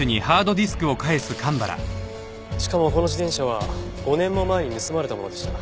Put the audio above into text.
しかもこの自転車は５年も前に盗まれたものでした。